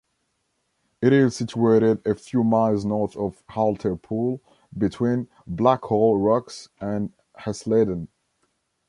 It is situated a few miles north of Hartlepool, between Blackhall Rocks and Hesleden.